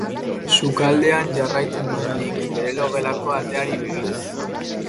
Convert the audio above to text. Sukaldean jarraitu nuen nik, bere logelako ateari begira.